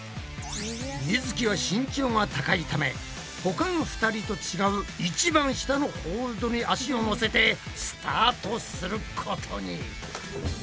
みづきは身長が高いためほかの２人と違う一番下のホールドに足をのせてスタートすることに。